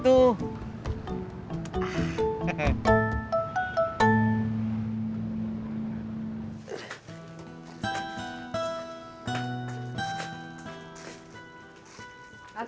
terus dulu atas